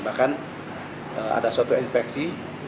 bahkan ada suatu infeksi